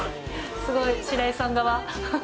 すごい、白石さん側。